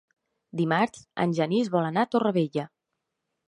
Dimarts en Genís vol anar a Torrevella.